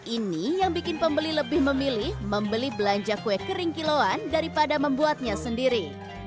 ini yang bikin pembeli lebih memilih membeli belanja kue kering kiloan daripada membuatnya sendiri